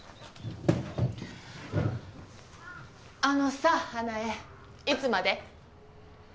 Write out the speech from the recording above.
あのさ花枝いつまで？